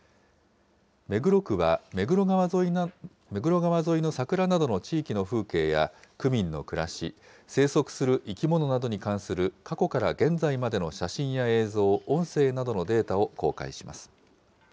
目黒区は、目黒川沿いの桜などの地域の風景や区民の暮らし、生息する生き物などに関する過去から現在までの写真や映像、音声などのデータを公開します。